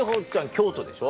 京都でしょ？